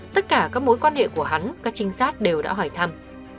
tất cả mối quan hệ của hắn các trinh sát đã hỏi thăm